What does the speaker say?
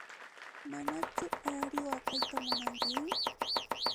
Manachu arariwa kayta munanki?